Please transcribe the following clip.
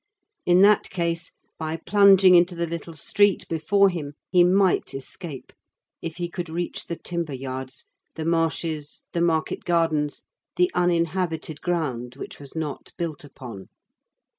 In that case, by plunging into the little street before him, he might escape, if he could reach the timber yards, the marshes, the market gardens, the uninhabited ground which was not built upon.